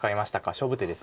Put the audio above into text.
勝負手です。